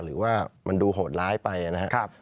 หรือว่ามันดูโหดร้ายไปนะครับ